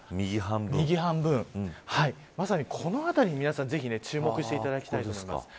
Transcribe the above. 右半分まさに、この辺りに皆さん注目していただきたいです。